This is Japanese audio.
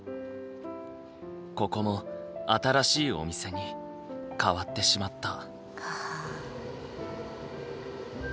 ここも新しいお店に変わってしまった。